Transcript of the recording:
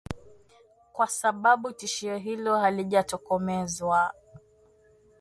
Kwa sababu tishio hilo halijatokomezwa.